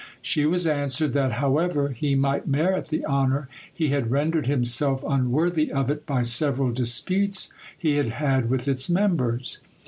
She was answered, that, however he might merit the honour, he had rendered himself unworthy of it by several disputes he had had with its members.